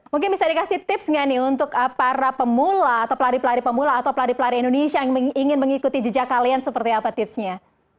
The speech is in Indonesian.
mungkin bisa dikasih tips nggak nih untuk para pemula atau pelari pelari pemula atau pelari pelari indonesia yang ingin mengikuti jejak kalian seperti apa tipsnya